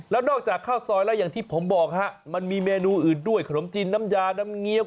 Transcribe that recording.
แล้วนอกจากข้าวซอยแล้วอย่างที่ผมบอกฮะมันมีเมนูอื่นด้วยขนมจีนน้ำยาน้ำเงี้ยว